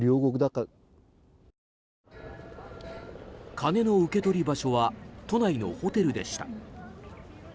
金の受け取り場所は都内のホテルでした。